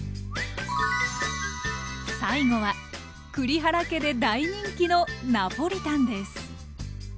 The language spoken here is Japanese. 最後は栗原家で大人気のナポリタンです！